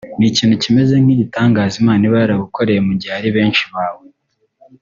ni ikintu kimeze nk’igitangaza Imana iba yaragukoreye mu gihe hari benshi bawe